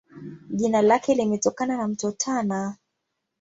Jina lake limetokana na Mto Tana.